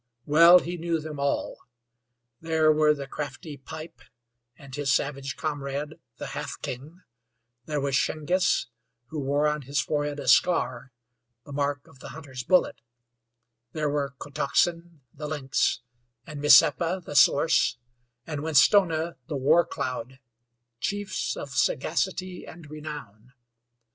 Well he knew them all. There were the crafty Pipe, and his savage comrade, the Half King; there was Shingiss, who wore on his forehead a scar the mark of the hunter's bullet; there were Kotoxen, the Lynx, and Misseppa, the Source, and Winstonah, the War cloud, chiefs of sagacity and renown.